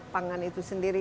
pangan itu sendiri